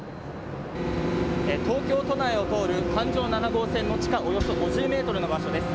東京都内を通る環状７号線の地下およそ５０メートルの場所です。